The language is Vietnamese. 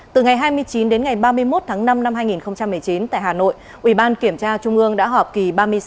từ ngày hai mươi chín đến ngày ba mươi một tháng năm năm hai nghìn một mươi chín tại hà nội ủy ban kiểm tra trung ương đã họp kỳ ba mươi sáu